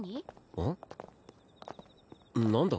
うん？何だ？